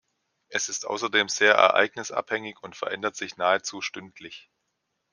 Es ist außerdem sehr ereignisabhängig und verändert sich nahezu stündlich.